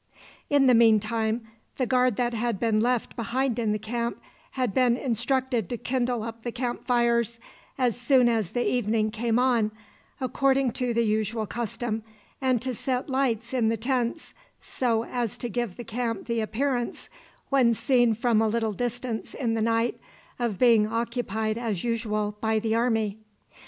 In the mean time, the guard that had been left behind in the camp had been instructed to kindle up the camp fires as soon as the evening came on, according to the usual custom, and to set lights in the tents, so as to give the camp the appearance, when seen from a little distance in the night, of being occupied, as usual, by the army.